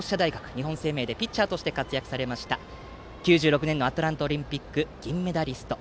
日本生命でピッチャーとして活躍されました９６年アトランタオリンピックの銀メダリスト。